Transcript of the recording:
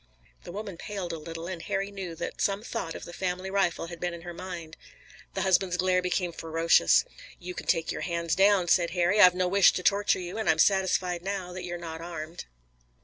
The woman paled a little, and Harry knew that some thought of the family rifle had been in her mind. The husband's glare became ferocious. "You can take your hands down," said Harry. "I've no wish to torture you, and I'm satisfied now that you're not armed."